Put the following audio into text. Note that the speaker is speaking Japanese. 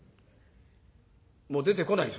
もう出てこないです